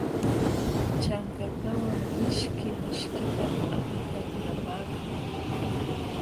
Chankakawan mishki mishkitam apita lulapaakun.